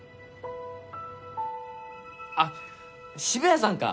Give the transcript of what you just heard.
あっ渋谷さんか！